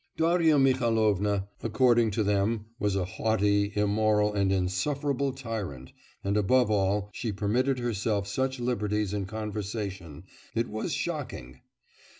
Darya Mihailovna, according to them, was a haughty, immoral, and insufferable tyrant, and above all she permitted herself such liberties in conversation, it was shocking!